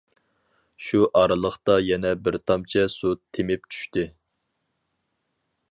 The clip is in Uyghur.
شۇ ئارىلىقتا يەنە بىر تامچە سۇ تېمىپ چۈشتى.